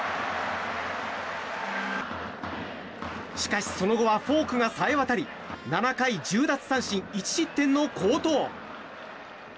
しかしその後はフォークがさえわたり７回１０奪三振１失点の好投。